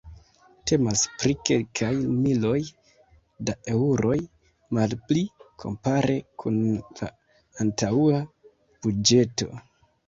Temas pri kelkaj miloj da eŭroj malpli, kompare kun la antaŭa buĝeto.